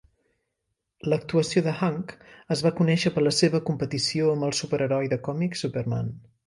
L'actuació de Hank es va conèixer per la seva competició amb el superheroi de còmic Superman.